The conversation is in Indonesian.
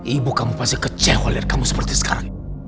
ibu kamu pasti kecewa lihat kamu seperti sekarang